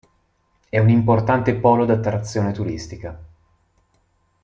È un importante polo d'attrazione turistica.